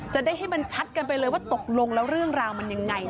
จะได้ให้มันชัดกันไปเลยว่าตกลงแล้วเรื่องราวมันยังไง